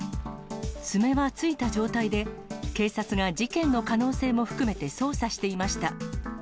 爪はついた状態で、警察が事件の可能性も含めて捜査していました。